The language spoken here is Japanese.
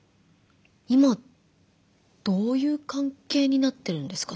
今どういう関係になってるんですか？